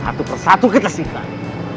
satu persatu kita singkang